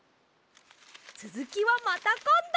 つづきはまたこんど。